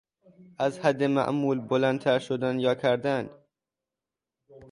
از حد معمول بلندتر شدن یا کردن